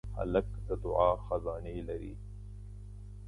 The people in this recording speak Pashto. هلک د دعا خزانې لري.